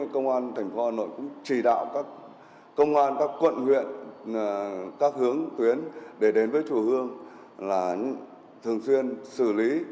các hướng tuyến để đến với chùa hương là thường xuyên xử lý